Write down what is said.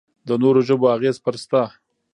د نورو ژبو اغېز پرې شته.